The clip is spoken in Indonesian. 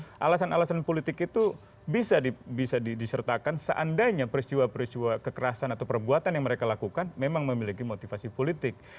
dan alasan alasan politik itu bisa disertakan seandainya peristiwa peristiwa kekerasan atau perbuatan yang mereka lakukan memang memiliki motivasi politik